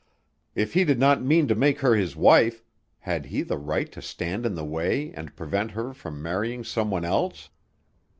If he did not mean to make her his wife, had he the right to stand in the way and prevent her from marrying some one else?